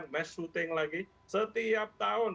mass syuting lagi setiap tahun